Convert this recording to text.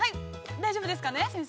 ◆大丈夫ですかね、先生。